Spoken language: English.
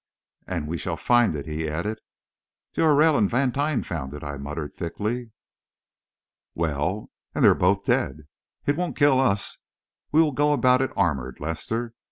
"And we shall find it!" he added. "D'Aurelle and Vantine found it," I muttered thickly. "Well?" "And they're both dead!" "It won't kill us. We will go about it armoured, Lester.